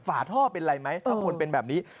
ฝาท่อเป็นอะไรไหมถ้าคนเป็นแบบนี้